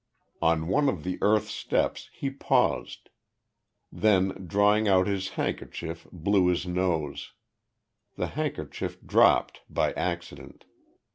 On one of the earth steps he paused; then, drawing out his handkerchief, blew his nose. The handkerchief dropped, by accident.